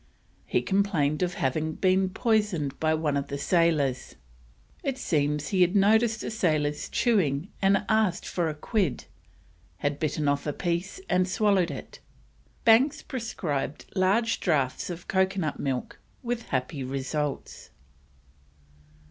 He complained of having been poisoned by one of the sailors. It seems he had noticed the sailors chewing, and had ask for a quid, had bitten off a piece and swallowed it. Banks prescribed large draughts of coconut milk, with happy results.